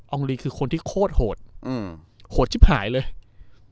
องลีคือคนที่โคตรโหดอืมโหดจิ๊บหายเลย